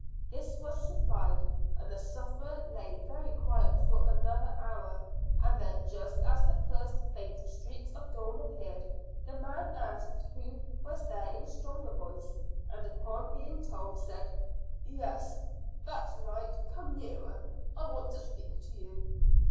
This was supplied, and the sufferer lay very quiet for another hour, and then, just as the first faint streaks of dawn appeared, the man asked who was there in a stronger voice, and upon being told, said "Yes, that's right; come nearer. I want to speak to you."